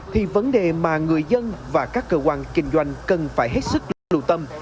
thì vấn đề mà người dân và các cơ quan kinh doanh cần phải hết sức lưu tâm